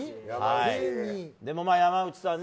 でも、山内さん